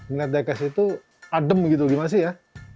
menurut diecast itu adem gitu gimana sih ya